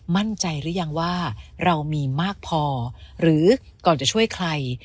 มั่นใจหรือยังว่าเรามีมากพอหรือก่อนจะช่วยใคร